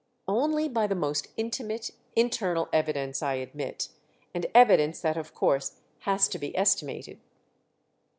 "Only by the most intimate internal evidence, I admit—and evidence that of course has to be estimated."